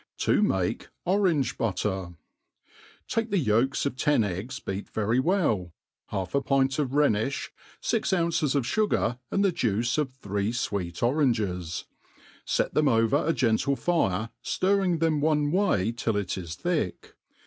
To make Orange Butter, Take the yolks of ten eggs beat very well, half a pint of tlhenifh, fix ounces of fugar, and the juice of three fweet oranges ; fet them over a gentle fire^ ftirring them one way till it is thick.